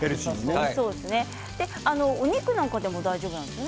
お肉なんかでも大丈夫なんですね。